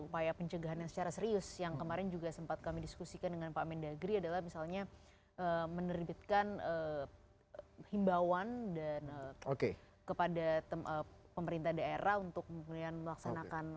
upaya pencegahan yang secara serius yang kemarin juga sempat kami diskusikan dengan pak mendagri adalah misalnya menerbitkan himbauan kepada pemerintah daerah untuk kemudian melaksanakan